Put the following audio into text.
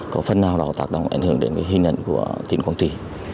có phần nào đó tạc động ảnh hưởng đến hình ảnh của tỉnh quảng trị